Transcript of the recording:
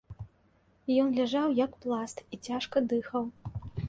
Ён ляжаў як пласт і цяжка дыхаў.